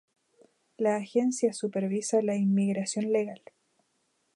La agencia supervisa la inmigración legal.